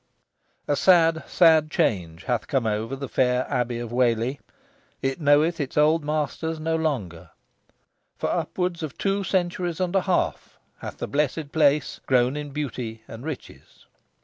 A sad, sad change hath come over the fair Abbey of Whalley. It knoweth its old masters no longer. For upwards of two centuries and a half hath the "Blessed Place" grown in beauty and riches.